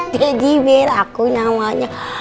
daddy bear aku namanya